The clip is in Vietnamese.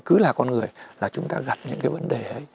cứ là con người là chúng ta gặp những cái vấn đề ấy